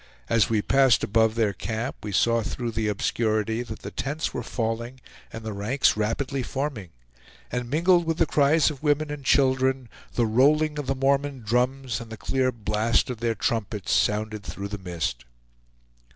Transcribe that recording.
As we passed above their camp, we saw through the obscurity that the tents were falling and the ranks rapidly forming; and mingled with the cries of women and children, the rolling of the Mormon drums and the clear blast of their trumpets sounded through the mist.